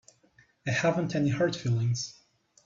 I haven't any hard feelings.